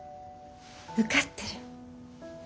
受かってる。